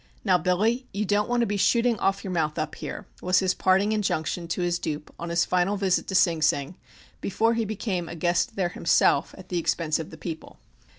"Now, Billy, you don't want to be shooting off your mouth up here," was his parting injunction to his dupe on his final visit to Sing Sing before he became a guest there himself at the expense of the People.